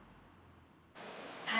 はい